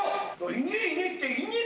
「いねえいねえ」っていねえ